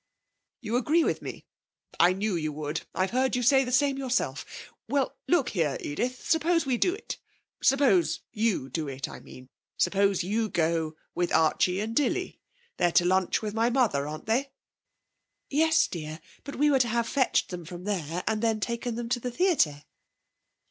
'You agree with me? I knew you would. I've heard you say the same yourself. Well then, look here, Edith; suppose we do it suppose you do it, I mean. Suppose you go with Archie and Dilly. They're to lunch with my mother, aren't they?' 'Yes, dear. But we were to have fetched them from there and then taken them on to the theatre!'